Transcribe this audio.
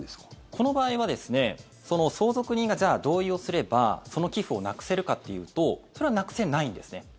この場合は相続人がじゃあ同意をすればその寄付をなくせるかというとそれはなくせないんですね。